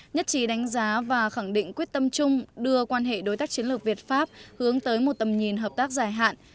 nhất trí đánh giá và khẳng định quyết tâm chung đưa quan hệ đối tác chiến lược việt pháp hướng tới một tầm nhìn hợp tác dài hạn